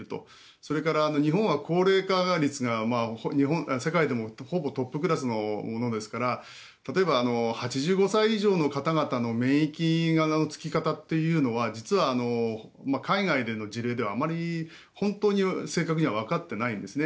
それから日本は高齢化率が世界でもほぼトップクラスのものですから例えば８５歳以上の方々の免疫のつき方というのは実は海外での事例ではあまり正確にはわかっていないんですね。